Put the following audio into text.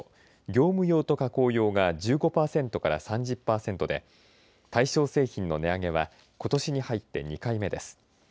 業務用と加工用が１５パーセントから３０パーセントで対象製品の値上げはことしに入って２回目です。